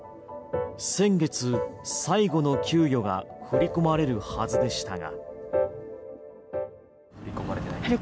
先月、最後の給与が振り込まれるはずでしたが。